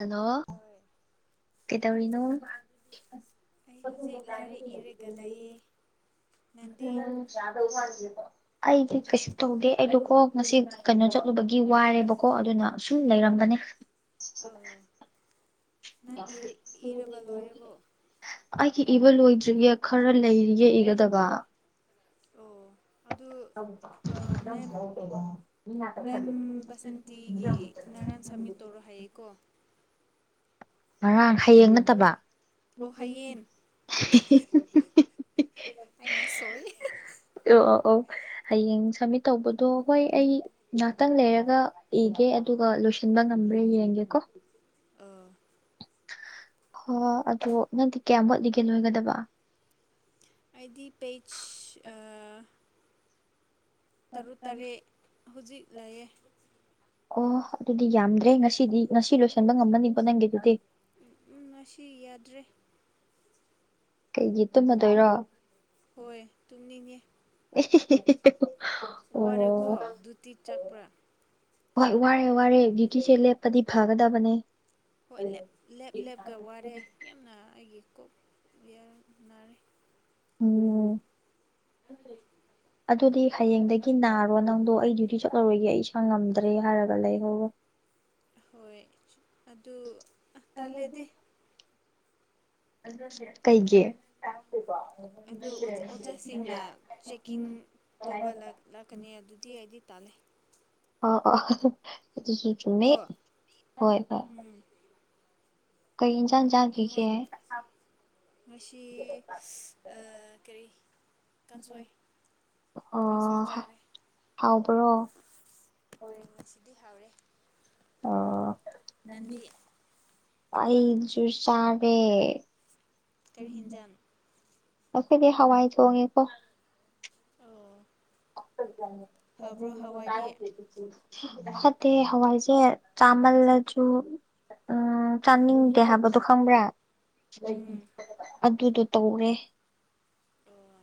hello ꯍꯣꯏ ꯀꯩꯇꯧꯔꯤꯅꯣ ꯑꯩ ꯍꯧꯖꯤꯛ ꯂꯥꯏꯔꯤꯛ ꯏꯔꯒ ꯂꯩꯌꯦ ꯅꯪꯗꯤ ꯑꯩꯗꯤ ꯀꯩꯁꯨ ꯇꯧꯗꯦ ꯑꯩꯗꯨꯀꯣ ꯉꯁꯤ ꯀꯩꯅꯣ ꯆꯠꯂꯨꯕꯒꯤ ꯋꯥꯔꯦꯕꯀꯣ ꯑꯗꯨꯅ ꯁꯨꯝ ꯂꯩꯔꯝꯒꯅꯤ ꯑꯣ ꯅꯪ ꯏꯔꯕ ꯂꯣꯏꯔꯕꯣ ꯑꯩ ꯏꯕ ꯂꯣꯏꯗ꯭ꯔꯤꯒ ꯈꯔ ꯂꯩꯔꯤꯌꯦ ꯏꯒꯗꯕ ꯑꯣ ꯑꯗꯨ ꯃꯦꯝ [unintelligible] ꯉꯥꯔꯥꯡ ꯁꯥꯃꯤꯠ ꯇꯧꯔ ꯍꯥꯏ [unintelligible] ꯉꯔꯥꯡ ꯍꯌꯦꯡ ꯅꯠꯇꯕꯡ ꯑꯣ ꯍꯌꯦꯡ ꯑꯩꯅ ꯁꯣꯏ ꯑꯣ ꯑꯣ ꯑꯣ ꯍꯌꯦꯡ ꯁꯃꯤꯠ ꯇꯧꯕꯗꯣ ꯍꯣꯏ ꯑꯩ ꯉꯍꯥꯛꯇꯪ ꯂꯩꯔꯒ ꯏꯒꯦ ꯑꯗꯨꯒ ꯂꯣꯏꯁꯤ ꯝꯕ ꯉꯝꯕ꯭ꯔꯦ ꯌꯦꯡꯒꯦꯀꯣ ꯑꯣ ꯍꫭꯏ ꯑꯗꯣ ꯅꯪꯗꯤ ꯀꯌꯥꯃꯨꯛ ꯋꯥꯠꯂꯤꯒꯦ ꯑꯣꯏꯒꯗꯕ ꯑꯩꯗꯤ ꯄꯦꯆ ꯇꯔꯨꯛ ꯇꯔꯦꯠ ꯍꯧꯖꯤꯛ ꯂꯩꯑꯦ ꯑꯣ ꯑꯗꯨꯗꯤ ꯌꯥꯝꯗ꯭ꯔꯦ ꯉꯁꯤꯗꯤ ꯉꯁꯤ ꯂꯣꯏꯁꯤꯟꯕ ꯉꯝꯅꯅꯤꯡꯕꯣ ꯅꯪꯒꯤ ꯑꯗꯨꯗꯤ ꯉꯥꯁꯤ ꯌꯥꯗ꯭ꯔꯦ ꯀꯩꯒꯤ ꯇꯨꯝꯃꯗꯣꯏꯔꯣ ꯍꯣꯏ ꯇꯨꯝꯅꯤꯡꯉꯦ ꯑꯣ ꯋꯥꯔꯦꯀꫭ ꯗꯨꯇꯤ ꯆꯠꯀ꯭ꯔ ꯍꯣꯏ ꯋꯥꯔꯦ ꯋꯥꯔꯦ ꯗꯨꯇꯤꯁꯦ ꯂꯦꯞꯄꯗꯤ ꯐꯒꯗꯕꯅꯦ ꯍꯣꯏ ꯂꯦ ꯂꯦꯞ ꯂꯦꯞꯀ ꯋꯥꯔꯦ ꯌꯥꯝꯅ ꯑꯩꯒꯤ ꯀꯌꯥꯅꯔꯦ ꯎꯝ ꯑꯗꯨꯗꯤ ꯍꯌꯦꯡꯗꯒꯤ ꯅꯥꯔꯣ ꯅꯪꯗꯣ ꯑꯩ ꯗ꯭ꯌꯨꯇꯤ ꯆꯠꯂꯔꯣꯏꯒꯦ ꯑꯩ ꯏꯁꯥ ꯉꯝꯗ꯭ꯔꯦ ꯍꯥꯏꯔꯒ ꯂꯩꯍꯔ ꯍꯣꯏ ꯑꯗꯨ ꯇꯜꯂꯦꯗꯤ ꯀꯩꯒꯤ ꯑꯗꯨ [unintelligible] ꯑꯣꯖꯥꯁꯤꯡꯅ ꯆꯦꯛꯀꯤꯡ ꯇꯧꯕ ꯂꯥꯛꯀꯅꯤ ꯑꯗꯨꯗꯤ ꯑꯩꯗꯤ ꯇꯥꯜꯂꯦ ꯑꯥ ꯑꯥ ꯑꯗꯨꯁꯨ ꯆꯨꯝꯃꯦ ꯀꯣ ꯀꯩ ꯏꯟꯁꯥꯡ ꯆꯥꯡꯒꯒꯦ ꯃꯁꯤ ꯀꯔꯤ ꯀꯥꯡꯁꯣꯏ ꯀꯥꯡꯁꫭꯏ ꯑꯣ ꯆꯔꯦ ꯍꯥꯎꯕ꯭ꯔꯣ ꯍꯣꯏ ꯃꯁꯤꯗꯤ ꯍꯥꯎꯔꯦ ꯑꯣ ꯅꯗꯤ ꯑꯩꯁꯨ ꯆꯥꯔꯦ ꯀꯔꯤ ꯍꯤꯖꯥꯟ ꯉꯁꯤꯗꯤ ꯍꯋꯥꯏ ꯊꫭꯡꯉꯦꯀꯣ ꯑꯣ ꯍꯥꯎꯕ꯭ꯔꯣ ꯍꯋꯥꯏꯗꯤ ꯍꯋꯥꯏ ꯀꯦ ꯆꯥꯃꯜꯂꯁꯨ ꯎꯝ ꯆꯥꯅꯤꯡꯗꯦ ꯍꯥꯏꯕꯗꯣ ꯈꯪꯕ꯭ꯔꯥ ꯎꯝ ꯑꯗꯨ ꯑꯗꯨ ꯇꯧꯔꯦ ꯑꯣ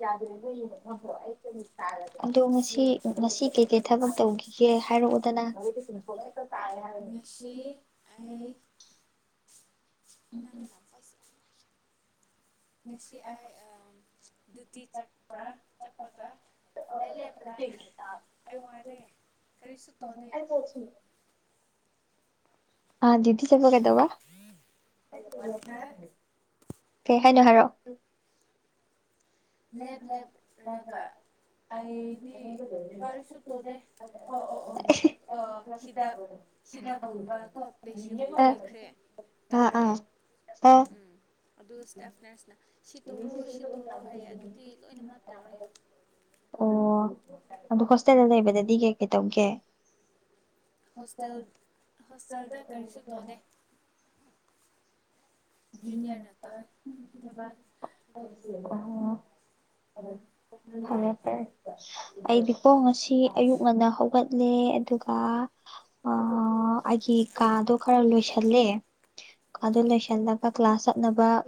ꯌꯥꯗ꯭ꯔꯦ ꯅꯣꯏ ꯌꯦꯡꯕ ꯅꯪꯈ꯭ꯔꯣ ꯑꯩ ꯀꯔꯤ ꯑꯗꯣ ꯉꯁꯤ ꯉꯁꯤ ꯀꯩꯀꯩ ꯊꯕꯛ ꯇꯧꯈꯤꯒꯦ ꯍꯥꯏꯔꯛꯑꯣꯗꯅ ꯀꯗꯤ ꯉꯁꯤ ꯑꯩ ꯎꯝ ꯎꯝ ꯅꯪꯅ ꯄꯩꯁꯥ ꯉꯁꯤ ꯗꯨꯇꯤ ꯆꯄ꯭ꯔ ꯆꯠꯄꯀ [inaudible] ꯦ ꯋꯥꯔꯦ ꯀꯔꯤꯁꯨ ꯇꯧꯗꯦ [unintelligible] [inaudible] ꯀ [unintelligible] [inaudible] ꯑꯤꯗꯤ ꯁꯦꯕ ꯀꯩꯗꯧꯕ [unintelligible] [inaudible] ꯀꯩ ꯍꯥꯏꯅꯣ ꯍꯥꯏꯔꯛꯑꯣ ꯂꯦꯞ ꯔꯗ ꯂꯦꯞꯔꯒ ꯅꯠꯇ꯭ꯔ ꯑꯩꯗꯤ ꯀꯔꯤꯁꯨ ꯇꯧꯗꯦ ꯑꯣ [unintelligible] [inaudible] ꯍꯤꯗꯞꯒꯨꯝꯕ ꯀꯣ ꯄꯦꯁꯤꯡꯗꯨ ꯄꯤꯈ꯭ꯔꯦ ꯑꯥ ꯀꯥꯞꯈ꯭ꯔꯦ ꯑꯥ ꯑꯥ ꯑꯥ ꯎꯝ ꯑꯗꯨꯔꯁꯤꯅ ꯁꯤꯇꯣꯔꯣ ꯁꯤꯠꯇꯣꯔꯣ ꯍꯥꯏꯌꯦ ꯑꯗꯨꯗꯤ ꯂꯣꯏꯅꯃꯛ ꯇꯧꯔꯦ ꯑꯗꯨ ꯍꯣꯁꯇꯦꯜꯗ ꯂꯩꯕꯗꯗꯤ ꯀꯩ ꯀꯩ ꯇꯧꯒꯦ ꯍꯣꯁꯇꯦꯜ ꯁꯁꯗ꯭ꯔ ꯍꯣꯁꯇꯦꯜꯗ ꯀꯔꯤꯁꯨ ꯇꯧꯗꯦ ꯋꯥꯅꯦꯦ [inaudible] [unintelligible] ꯖꯨꯅꯤꯌꯔꯅ [inaudible] ꯇꯧꯋꯦ ꯊꯕꯛ ꯅꯟꯗꯤ ꯐꯔꯦ ꯐꯔꯦ ꯑꯩꯗꯤꯀꯣ ꯉꯁꯤ ꯑꯌꯨꯛ ꯉꯟꯅ ꯍꯧꯒꯠꯂꯦ ꯑꯗꯨꯒ ꯑꯩꯒꯤ ꯀꯥꯗꯣ ꯈꯔ ꯂꯣꯏꯁꯜꯂꯦ ꯀꯥꯗ ꯂꯣꯏꯁꯜꯂꯒ ꯀ꯭ꯂꯥꯁ ꯆꯠꯅꯕ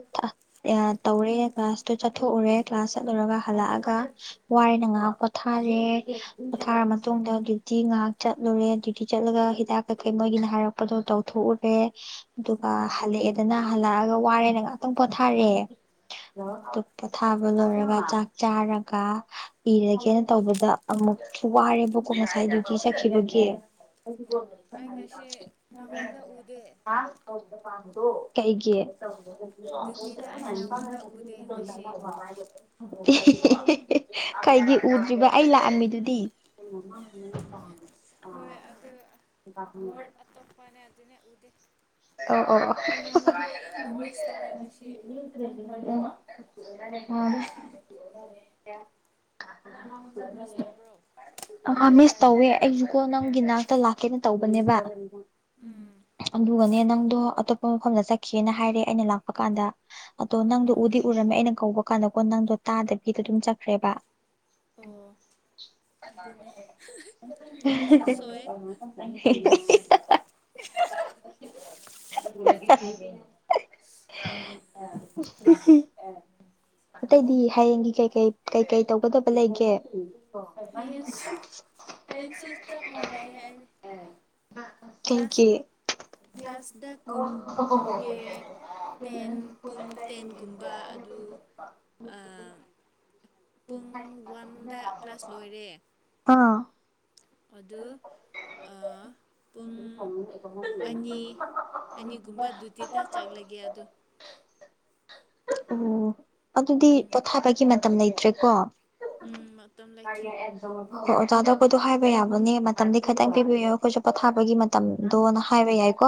ꯇꯧꯔꯦ ꯀ꯭ꯂꯥꯁꯇꯨ ꯆꯠꯊꯣꯛꯎꯔꯦ ꯀ꯭ꯂꯥꯁ ꯆꯠꯂꯨꯔꯒ ꯍꯜꯂꯛꯑꯒ ꯋꯥꯔꯅ ꯉꯥꯏꯍꯥꯛ ꯄꯣꯊꯥꯔꯦ ꯄꯣꯊꯥꯔ ꯃꯇꯨꯡꯗ ꯗ꯭ꯌꯨꯇꯤ ꯉꯥꯏꯍꯥꯛ ꯆꯠꯂꯨꯔꯦ ꯆꯠꯂꯒ ꯍꯤꯗꯥꯛ ꯀꯩꯀꯩ ꯃꯣꯏꯒꯤꯅ ꯍꯥꯏꯔꯛꯄꯗꯣ ꯇꯧꯊꯣꯛꯎꯔꯦ ꯑꯗꯨꯒ ꯍꯜꯂꯛꯑꯦꯗꯅ ꯍꯜꯂꯛꯑꯒ ꯋꯥꯔꯦꯅ ꯉꯥꯛꯇꯪ ꯄꯣꯊꯥꯔꯑꯦ ꯑꯣ ꯄꫭꯠꯊꯥꯕ ꯂꯣꯏꯔꯒ ꯆꯥꯛ ꯆꯥꯔꯒ ꯏꯤꯔꯒꯦꯅ ꯇꯧꯕꯗ ꯑꯃ ꯋꯥꯔꯦꯕꯀꯣ ꯉꯁꯥꯏꯗꯨꯗꯤ ꯁꯛꯈꯤꯕꯒꯤ ꯑꯣ ꯑꯩ ꯉꯁꯤ ꯅꯪꯉꯣꯟꯗ ꯎꯗꯦ ꯗ ꯄꯗꯣ [inaudible] [unintelligible] ꯀꯩꯒꯤ ꯗ꯭ꯌꯨꯇꯤꯗ ꯑꯩ ꯅꯪꯉꯣꯟꯗ ꯎꯗꯦ ꯉꯁꯤ ꯀꯩꯒꯤ ꯎꯗ꯭ꯔꯤꯕ ꯑꯩ ꯂꯥꯛꯑꯝꯃꯤꯗꯨꯗꯤ ꯍꯣꯏ ꯑꯗꯨ ꯑꯣ [unintelligible] [inaudible] ꯋꯥꯔꯗ ꯑꯇꯣꯞꯄꯅꯦ ꯑꯗꯨꯅꯦ ꯎꯗ ꯑ ꯑꯣ [inaudible] [unintelligible] ꯍ ꯃꯤꯁ ꯇꯧꯋꯦ ꯉꯁꯤ ꯅꯪ ꯈꯪꯕ꯭ꯔꯣ [unintelligible] [inaudible] ꯅꯪ ꯑꯩꯉꯣꯟꯗ ꯃꯤꯁ ꯇꯧꯕ꯭ꯔꯣ ꯑꯃ ꯃꯤꯁ ꯇꯧꯋꯦ ꯑꯩꯁꯨꯀꯣ ꯅꯪꯒꯤꯅ ꯂꯥꯛꯀꯦꯅ ꯇꯧꯕꯅꯦꯕ ꯑꯗꯨꯒꯅꯦ ꯅꯪꯗꯣ ꯑꯇꯣꯞꯄ ꯃꯐꯝꯗ ꯆꯠꯈꯤꯅ ꯍꯥꯏꯔꯦ ꯑꯩꯅ ꯂꯥꯛꯄ ꯀꯥꯟꯗ ꯑꯗꯣ ꯅꯪꯗꯣ ꯑꯣ ꯎꯗꯤ ꯎꯔꯝꯃꯦ ꯑꯩꯅ ꯀꯧꯕ ꯀꯥꯟꯗ ꯀꯣ ꯅꯪꯗꯣ ꯇꯥꯗꯕꯤꯗꯣ ꯑꯗꯨꯝ ꯆꯠꯈ꯭ꯔꯦꯕ ꯑꯣ ꯑꯗꯨꯅꯦ [inaudible] ꯑꯩꯁꯨ ꯁꯣꯏ [unintelligible] [inaudible] [unintelligible] [inaudible] ꯑꯇꯩꯗꯤ ꯍꯌꯦꯡꯒꯤ ꯀꯩꯀꯩ ꯀꯩꯀꯩ ꯇꯧꯒꯗꯕ ꯂꯩꯒꯦ [unintelligible] ꯍꯌꯦꯡꯁꯨ ꯍꯌꯦꯡꯁꯨ ꯆꯞ ꯃꯥꯟꯅꯩꯌꯦ ꯑꯩꯗꯤ [inaudible] ꯀ꯭ꯂꯥꯁ ꯊꯦꯡꯀꯤꯌꯨ ꯀ꯭ꯂꯥꯁꯗ ꯀꯨꯝ ꯀꯨꯝꯒꯦ ꯇꯦꯟ ꯄꯨꯡ ꯇꯦꯟꯒꯨꯝꯕ ꯑꯗꯨ ꯄꯨꯡ ꯋꯥꯟꯗ ꯀ꯭ꯂꯥꯁ ꯂꯣꯏꯔꯦ ꯑꯥ [unintelligible] [inaudible] ꯑꯗꯨ ꯄꯨꯡ ꯑꯅꯤ ꯑꯅꯤꯒꯨꯝꯕ ꯑꯗꯨꯇꯤꯗ ꯆꯠꯂꯒꯦ ꯑꯗꯨ ꯑꯣ ꯑꯗꯨꯗꯤ ꯎꯝ ꯄꯣꯊꯥꯕꯒꯤ ꯃꯇꯝ ꯂꯩꯇ꯭ꯔꯦꯀꯣ ꯎꯝ ꯃꯇꯝ ꯂꯩꯇ꯭ꯔꯤ [unintelligible] ꯍꯥꯏ ꯍꯥꯏꯕ ꯌꯥꯕꯅꯦ ꯃꯇꯝꯗꯤ ꯈꯤꯇꯪ ꯄꯤꯕꯤꯌꯣ ꯑꯩꯈꯣꯏꯁꯨ ꯄꯣꯊꯥꯕꯒꯤ ꯃꯇꯝꯗꯣꯅ ꯍꯥꯏꯕ ꯌꯥꯏꯀꯣ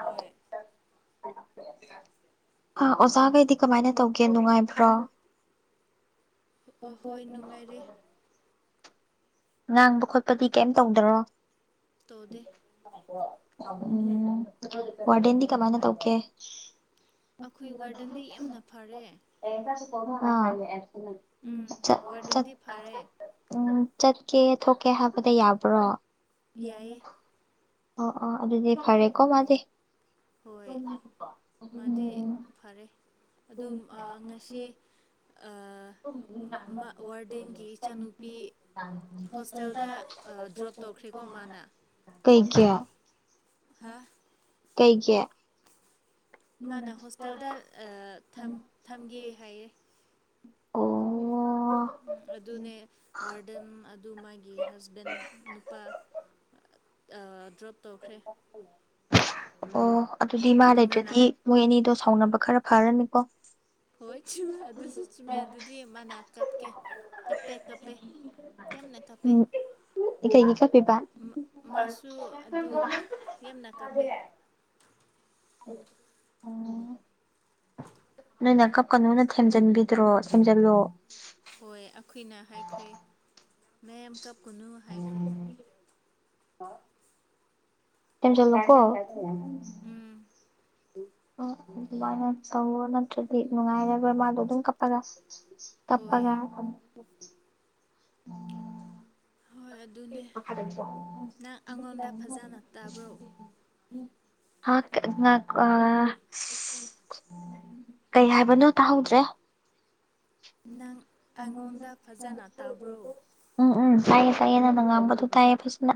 ꯍꯣꯏ [inaudible] ꯑꯥ ꯑꯣꯖꯥꯈꯩꯗꯤ ꯀꯃꯥꯏꯅ ꯇꯧꯒꯦ ꯅꯨꯡꯉꯥꯏꯕ꯭ꯔꯣ ꯍ ꯍꯣꯏ ꯅꯨꯡꯉꯥꯏꯔꯦ ꯍ [unintelligible] [inaudible] ꯉꯥꯡꯕ ꯈꯣꯠꯄꯗꯤ ꯀꯩꯝ ꯇꯧꯗꯔꯣ ꯇꯧꯗꯦ ꯎꯝ ꯋꯥꯔꯗꯦꯟꯗꯤ ꯎꯝ ꯀꯃꯥꯏꯅ ꯇꯧꯒꯦ ꯑꯩꯈꯣꯏ ꯋꯥꯔꯗꯟꯗꯤ ꯌꯥꯝꯅ ꯐꯔꯦ [unintelligible] ꯎꯝ ꯆꯠ ꯆꯠ ꯋꯥꯔꯗꯟꯗꯤ ꯐꯔꯦ ꯎꯝ ꯆꯠꯀꯦ ꯊꯣꯛꯀꯦ ꯍꯥꯏꯕꯗ ꯌꯥꯕ꯭ꯔꯣ ꯌꯥꯏꯌꯦ ꯑꯣ ꯑꯣ ꯑꯗꯨꯗꯤ ꯐꯔꯦꯀꯣ ꯃꯥꯗꯤ ꯍꯣꯏ ꯃꯥꯗꯤ [unintelligible] ꯐꯔꯦ ꯑꯗꯨ ꯉꯁꯤ [unintelligible] ꯋꯥꯔꯗꯦꯟꯒꯤ ꯏꯆꯥꯅꯨꯄꯤ [unintelligible] ꯄꯨꯈ꯭ꯔꯤꯀꯣ ꯃꯥꯅ ꯀꯩ ꯀꯌꯥ ꯍꯥ ꯀꯩ ꯒꯤ ꯃꯥꯅ ꯍꯣꯁꯇꯦꯜꯗ ꯊꯝꯒꯦ ꯍꯥꯏꯌꯦ ꯑꯣ ꯎ ꯑꯗꯨꯅꯦ ꯋꯥꯔꯗꯟ ꯑꯗꯨ ꯃꯥꯒꯤ ꯒꯤ ꯍꯖꯕꯦꯟ ꯅꯨꯄꯥ ꯗ꯭ꯔꯣꯞ ꯇꯧꯈ꯭ꯔꯦ ꯑꯣ ꯑꯗꯨꯗꯤ ꯃꯥ ꯑꯗꯨ ꯃꯥꯅ ꯂꯩꯗ꯭ꯔꯗꯤ ꯃꯣꯏ ꯑꯅꯤꯗꯣ ꯁꯥꯎꯅꯕ ꯈꯔ ꯐꯔꯅꯤꯀꯣ ꯍꯣꯏ ꯆꯨꯝꯃꯦ ꯑꯗꯨꯁꯨ ꯆꯨꯝꯃꯦ ꯑꯗꯨꯗꯤ ꯃꯥꯅ ꯀꯞꯀꯦ ꯇꯞꯄꯦ ꯇꯞꯄꯦ ꯌꯥꯝꯅ ꯇꯞꯄꯦ ꯎꯝ ꯀꯩꯒꯤ ꯀꯞꯄꯤꯕ ꯑꯗꯨ ꯌꯥꯝꯅ ꯀꯥꯞꯄꯦ ꯎꯝ ꯅꯣꯏꯅ ꯀꯞꯀꯅꯣꯅ ꯊꯦꯝꯖꯤꯟꯕꯤꯗ꯭ꯔꯣ ꯊꯦꯝꯖꯤꯜꯂꯣ ꯍꯣꯏ ꯑꯩꯈꯣꯏꯅ ꯍꯥꯏꯈ꯭ꯔꯦ ꯃꯦꯝ ꯀꯞꯀꯨꯅꯨ ꯍꯥꯏꯈ꯭ꯔꯦ [unintelligible] ꯊꯦꯝꯖꯟꯂꯨꯀꯣ ꯎꯝ ꯑꯗꯨꯃꯥꯏꯅ ꯇꯧꯔꯣ ꯅꯠꯇ꯭ꯔꯗꯤ ꯅꯨꯡꯉꯥꯏꯔꯒ ꯃꯥꯗꯣ ꯑꯗꯨꯝ ꯀꯞꯄꯒ ꯍꯣꯏ ꯀꯞꯄꯒꯥ [unintelligible] [unintelligible] ꯍꯣꯏ ꯑꯗꯨꯅꯦ ꯅꯪ ꯑꯩꯉꯣꯟꯗ ꯐꯖꯅ ꯇꯥꯕ꯭ꯔꯣ ꯀꯩ ꯍꯥꯏꯕꯅꯣ ꯇꯥꯍꯧꯗ꯭ꯔꯦ ꯅꯪ ꯑꯩꯉꯣꯟꯗ ꯐꯖꯅ ꯇꯥꯕ꯭ꯔꯣ ꯎꯝ ꯎꯝ ꯇꯥꯏꯌꯦ ꯇꯥꯏꯌꯦ ꯅꯪꯅ ꯉꯥꯡꯕꯗꯨ ꯇꯥꯏꯌꯦ ꯐꯖꯅ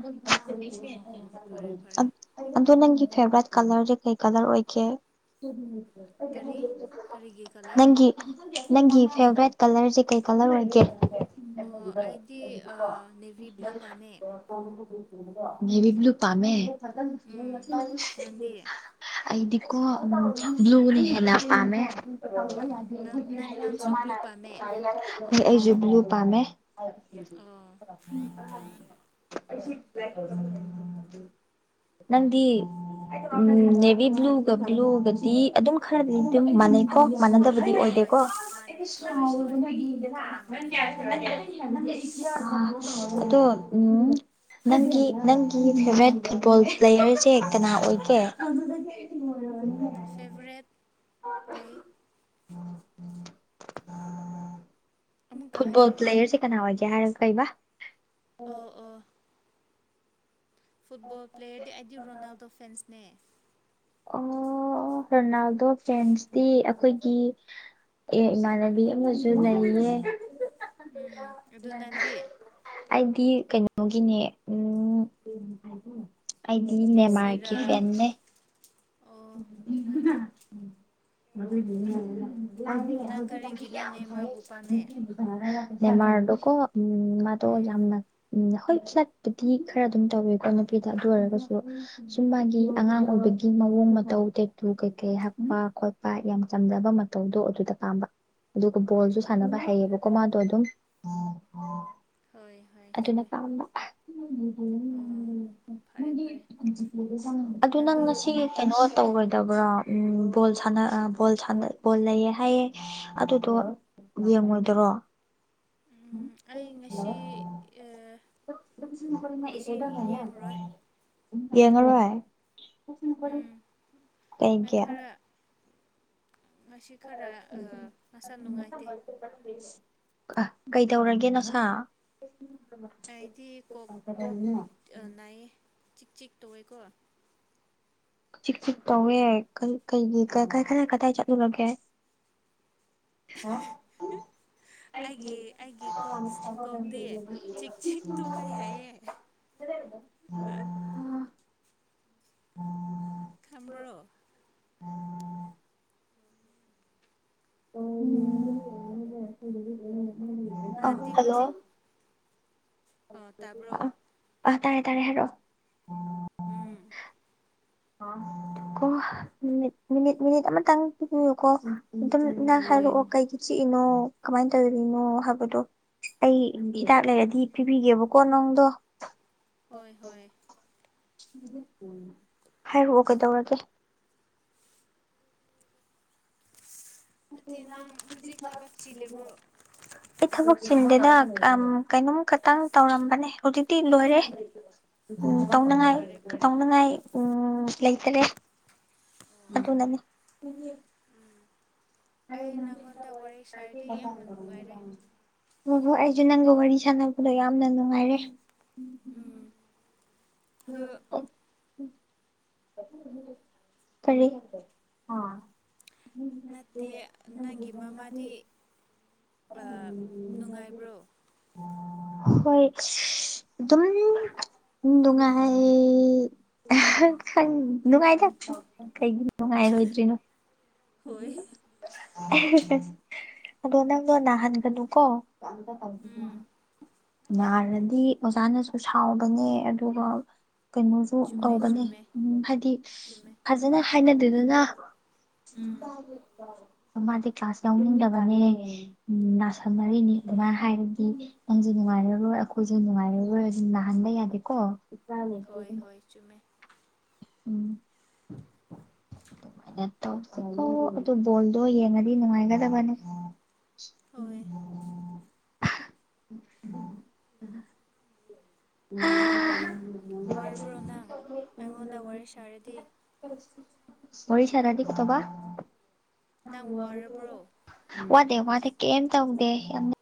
ꯑꯣ ꯑꯣ ꯐꯔꯦ ꯐꯔꯦ ꯑꯗ ꯑꯗꯨ ꯅꯪꯒꯤ ꯐꯦꯚꯔꯥꯏꯠ ꯀꯂꯔꯖꯦ ꯀꯩ ꯀꯂꯔ ꯑꯣꯏꯒꯦ ꯀꯔꯤ ꯀꯔꯤꯒꯤ ꯀꯂꯔ ꯅꯪꯒꯤ ꯅꯪꯒꯤ ꯐꯦꯕꯔꯦꯠ ꯀꯂꯔꯖꯦ ꯀꯩ ꯀꯂꯔ ꯑꯣꯏꯒꯦ ꯑꯣ ꯑꯩꯗꯤ ꯅꯦꯚꯤ ꯕ꯭ꯂꯨ ꯄꯥꯝꯃꯦ [unintelligible] ꯅꯦꯕꯤ ꯕ꯭ꯂꯨ ꯄꯥꯝꯃꯦ ꯎꯝ ꯅꯪꯗꯤ ꯑꯩꯗꯤꯀꯣ ꯎꯝ ꯕ꯭ꯂꯨꯅ ꯎꯝ ꯍꯦꯟꯅ ꯄꯥꯝꯃꯦ ꯅꯪ ꯅꯪꯁꯨ ꯕ꯭ꯂꯨ ꯄꯥꯝꯃꯦ ꯑꯦ ꯑꯩ ꯕ꯭ꯂꯨ ꯄꯥꯝꯃꯦ ꯑꯣ [unintelligible] ꯅꯪꯗꯤ ꯎꯝ ꯅꯦꯚꯤ ꯕ꯭ꯂꯨꯒ ꯕ꯭ꯂꯨꯒꯗꯤ ꯑꯗꯨꯝ ꯈꯔꯗꯤ ꯑꯗꯨꯝ ꯃꯥꯟꯅꯩ ꯈꯣꯛ ꯃꯥꯟꯅꯗꯕꯗꯤ ꯍꯣꯏ ꯑꯣꯏꯗꯦꯀꯣ ꯃꯥꯟꯅꯦ ꯍꯣꯏ ꯍꯣꯏ ꯈꯔ ꯃꯥꯟꯅꯦ ꯑꯥ ꯑꯗꯣ ꯎꯝ ꯅꯪꯒꯤ ꯅꯪꯒꯤ ꯐꯦꯚꯣꯔꯥꯏꯠ ꯐꯨꯠꯕꯣꯜ ꯄ꯭ꯂꯦꯌꯔꯖꯦ ꯀꯅꯥ ꯑꯣꯏꯒꯦ ꯐꯦꯚꯣꯔꯦꯠ ꯀꯩ ꯑꯃꯨꯛꯀ ꯐꯨꯠꯕꯣꯜ ꯍꯥꯏꯌꯣ ꯄ꯭ꯂꯦꯌꯔꯁꯦ ꯀꯅꯥ ꯑꯣꯏꯒꯦ ꯍꯥꯏꯔꯒ ꯀꯩꯕ ꯑꯣ ꯑꯣ ꯐꯨꯠꯕꯣꯜ ꯄ꯭ꯂꯦꯌꯔꯗꯤ ꯑꯩꯗꯤ ꯔꯣꯅꯥꯜꯗꯣ ꯐꯦꯟꯁꯅꯦ ꯑꯣ ꯔꯣꯅꯥꯜꯗꯣ ꯐꯦꯟꯁꯇꯤ ꯑꯈꯣꯏꯒꯤ ꯑꯦ ꯏꯃꯥꯅꯕꯤ ꯑꯃꯖꯨ ꯂꯩꯌꯦ ꯎꯝ ꯑꯗꯨ ꯅꯪꯗꯤ ꯑꯩꯗꯤ ꯀꯩꯅꯣꯒꯤꯅꯦ ꯎꯝ ꯑꯩꯗꯤ ꯅꯦꯃꯥꯔꯒꯤ ꯃꯦꯁꯤꯔꯥ ꯐꯦꯟꯅꯦ [inaudible] [unintelligible] ꯑꯣ ꯃꯥꯅꯦ ꯅꯪ ꯀꯔꯤꯒꯤꯅꯣ ꯅꯦꯃꯔꯕꯨ ꯄꯥꯝꯃꯦ ꯅꯦꯃꯥꯔꯗꯣꯀꯣ ꯎꯝ ꯃꯥꯗꯣ ꯎꯝ ꯌꯥꯝꯅ ꯎꯝ ꯍꯣꯏ ꯐ꯭ꯂꯠꯄꯨꯗꯤ ꯈꯔ ꯑꯗꯨꯝ ꯇꯧꯋꯦꯀꯣ ꯅꯨꯄꯤꯗ ꯑꯗꯨ ꯑꯣꯏꯔꯒꯁꯨ ꯁꯨꯝ ꯃꯥꯒꯤ ꯑꯉꯥꯡ ꯑꯣꯏꯕꯒꯤ ꯒꯤ ꯃꯑꯣꯡ ꯃꯠ ꯇꯧ ꯇꯦꯇꯨ ꯀꯩꯀꯩ ꯍꯛꯄ ꯈꯣꯠꯄ ꯌꯥꯝ ꯆꯝꯖꯕ ꯃꯇꯧꯗꯣ ꯑꯗꯨꯗ ꯄꯥꯝꯕ ꯑꯗꯨꯒ ꯕꯣꯜꯖꯨ ꯎꯝ ꯁꯥꯟꯅꯕ ꯍꯩꯌꯦꯕꯀꯣ ꯃꯥꯗꯣ ꯑꯗꯨꯝ ꯍꯣꯏ ꯍꯣꯏ ꯑꯗꯨꯅ ꯆꯨꯝꯃꯦ ꯄꯥꯝꯕ ꯑꯣ ꯐꯔꯦ ꯐꯔꯦ ꯑꯗꯨ ꯅꯪ ꯉꯁꯤ ꯀꯩꯅꯣ ꯗꯕ꯭ꯔꯥ ꯎꯝ ꯕꯣꯜ ꯁꯥꯟꯅ ꯑ ꯕꯣꯜ ꯁꯥꯟꯅ ꯕꯣꯜ ꯂꯩꯌꯦ ꯍꯥꯏꯌꯦ ꯑꯗꯨꯗꯣ ꯌꯦꯡꯉꯣꯏꯗ꯭ꯔꯣ ꯎꯝ ꯑꯩ ꯉꯁꯤ ꯑꯥ ꯉꯁꯤ ꯌꯦꯡꯔꯣꯏ [unintelligible] ꯌꯦꯡꯉꯔꯣꯏ ꯎꯝ ꯑꯩ ꯀꯩꯒꯤ ꯈꯔ ꯉꯁꯤ ꯈꯔ ꯑꯥ [unintelligible] ꯃꯁꯥ ꯅꯨꯡꯉꯥꯏꯇꯦ ꯑ ꯀꯩꯗꯧꯔꯒꯦ ꯅꯁꯥ ꯑꯩꯗꯤ ꯀꯣꯛ ꯀꯣꯛ ꯅꯥꯏꯌꯦ ꯑ ꯆꯤꯛ ꯆꯤꯛ ꯇꯧꯋꯦꯀꯣ ꯆꯤꯛ ꯆꯤꯛ ꯇꯧꯋꯦ ꯀꯩ ꯀꯩꯒꯤ ꯀꯥꯏ ꯀꯥꯏ ꯀꯥꯏ ꯀꯗꯥꯏ ꯆꯠꯂꯨꯔꯒꯦ ꯍꯥ ꯑꯩꯒꯤ ꯑꯩꯒꯤ ꯀꯣꯛ ꯀꯣꯛꯗꯤ ꯆꯤꯛ ꯆꯤꯛ ꯇꯨꯋꯦ ꯍꯥꯏꯌꯦ [unintelligible] [unintelligible] [unintelligible] ꯈꯝꯕ꯭ꯔꯣ [unintelligible] [unintelligible] ꯍꯜꯂꯣ ꯑ ꯇꯥꯕ꯭ꯔꯣ ꯑꯥ ꯇꯥꯔꯦ ꯇꯥꯔꯦ ꯍꯥꯏꯔꯛꯑꯣ ꯎꯝ ꯊꯨ ꯀꯣ ꯃꯤꯅꯤꯠ ꯃꯤꯅꯤꯠ ꯃꯤꯅꯤꯠ ꯑꯃꯇꯪ ꯄꯤꯕꯤꯌꯨꯀꯣ ꯑꯗꯨꯝ ꯅꯪ ꯍꯣꯏ ꯍꯥꯏꯔꯛꯑꯣ ꯀꯩꯒꯤ ꯆꯤꯛ ꯀꯤꯅꯣ ꯀꯃꯥꯏꯅ ꯇꯧꯔꯤꯅꯣ ꯍꯥꯏꯕꯗꯣ ꯑꯩ ꯍꯤꯗꯥꯛ ꯂꯩꯔꯗꯤ ꯄꯤꯕꯤꯒꯦꯕꯀꯣ ꯅꯪ ꯇꯣ ꯍꯣꯏ ꯍꯣꯏ ꯍꯥꯏꯔꯛꯑꯣ ꯀꯩꯗꯧꯔꯒꯦ ꯅꯠꯇꯦ ꯅꯪ ꯍꯧꯖꯤꯛ ꯊꯕꯛ [unintelligible] ꯆꯤꯜꯂꯤꯕ꯭ꯔꯣ ꯑꯩ ꯊꯕꯛ ꯁꯤꯟꯗꯦꯗ ꯀꯩꯅꯣꯝ ꯈꯛꯇꯪ ꯇꯧꯔꯝꯕꯅꯦ ꯍꯧꯖꯤꯛꯇꯤ ꯂꯣꯏꯔꯦ ꯎꯝ ꯑꯣ ꯇꯧꯅꯉꯥꯏ ꯐꯔꯦ ꯐꯔꯦ ꯇꯧꯅꯉꯥꯏ ꯎꯝ ꯂꯩꯇꯔꯦ ꯑꯣ ꯑꯗꯨꯅꯅꯤ ꯐꯔꯦ [unintelligible] ꯑꯩ ꯅꯪꯉꯣꯟꯗ ꯋꯥꯔꯤ ꯁꯥꯔꯗꯤ ꯌꯥꯝꯅ ꯅꯨꯡꯉꯥꯏꯔꯦ ꯍꯣꯏ ꯍꯣꯏ ꯑꯩꯁꯨ ꯅꯪꯒ ꯋꯥꯔꯤ ꯁꯥꯟꯅꯕꯗꯣ ꯌꯥꯝꯅ ꯅꯨꯡꯉꯥꯏꯔꯦ ꯑꯗꯨ [unintelligible] ꯀꯔꯤ ꯑꯥ ꯅꯠꯇꯦ ꯅꯪꯒꯤ ꯃꯃꯥꯗꯤ ꯅꯨꯡꯉꯥꯏꯕ꯭ꯔꯣ ꯍꯣꯏ ꯑꯗꯨꯝ ꯅꯨꯡꯉꯥꯏ ꯈꯪ ꯅꯨꯡꯉꯥꯏꯗ ꯅꯨꯡꯉꯥꯏꯔꯣꯏꯗ꯭ꯔꯤꯅꯣ ꯍꯣꯏ ꯑꯁ ꯑꯗꯣ ꯅꯪꯗꯣ ꯅꯥꯍꯟꯒꯅꯨꯀꯣ ꯎꯝ ꯅꯥꯔꯗꯤ ꯑꯣꯖꯥꯅꯁꯨ ꯁꯥꯎꯕꯅꯦ ꯑꯗꯨꯒ ꯀꯩꯅꯣꯁꯨ ꯆꯨꯝꯃꯦ ꯇꯧꯕꯅꯤ ꯆꯨꯝꯃꯦ ꯎꯝ ꯍꯥꯏꯗꯤ ꯆꯨꯝꯃꯦ ꯐꯖꯅ ꯍꯥꯏꯅꯗꯦꯗꯅ ꯎꯝ ꯃꯥꯗꯤ ꯀ꯭ꯂꯥꯁ ꯌꯥꯎꯅꯤꯡꯗꯕꯅꯦ ꯅꯁꯟ ꯃꯔꯤꯅꯤ ꯑꯗꯨꯃꯥꯏꯅ ꯍꯥꯏꯔꯗꯤ ꯅꯪꯁꯨ ꯅꯨꯡꯉꯥꯏꯔꯔꯣꯏ ꯑꯩꯈꯣꯏꯁꯨ ꯅꯨꯡꯉꯥꯏꯔꯔꯣꯏ ꯑꯗꯨꯝ ꯅꯥꯍꯟꯕ ꯌꯥꯗꯦꯀꯣ ꯍꯣꯏ ꯍꯣꯏ ꯆꯨꯝꯃꯦ ꯎꯝ ꯑꯣ ꯑꯗꯨ ꯕꯣꯜꯗꯣ ꯌꯦꯡꯉꯗꯤ ꯅꯨꯡꯉꯥꯏꯒꯗꯕꯅꯦ ꯍꯣꯏ [unintelligible] ꯎꯝ ꯋꯥꯔꯕ꯭ꯔꯣ ꯅꯪ ꯑꯩꯉꯣꯟꯗ ꯋꯥꯔꯤ ꯁꯥꯔꯗꯤ ꯋꯥꯔꯤꯁꯥꯗꯗꯤ ꯇꯧꯕ ꯅꯪ ꯋꯥꯔꯕ꯭ꯔꯣ ꯋꯥ ꯗ ꯋꯥꯗ ꯀꯩꯝ ꯇꯧꯗꯦ ꯌꯥꯝ